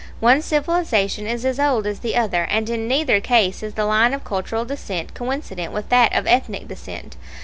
One civilization is as old as the other; and in neither case is the line of cultural descent coincident with that of ethnic descent.